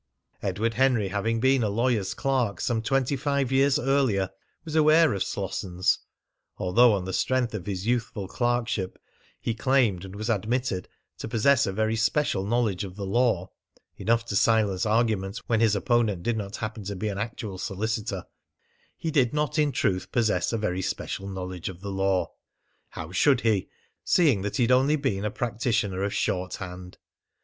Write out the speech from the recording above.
Edward Henry, having been a lawyer's clerk some twenty five years earlier, was aware of Slossons. Although on the strength of his youthful clerkship he claimed, and was admitted, to possess a very special knowledge of the law, enough to silence argument when his opponent did not happen to be an actual solicitor, he did not in truth possess a very special knowledge of the law, how should he, seeing that he had only been a practitioner of shorthand?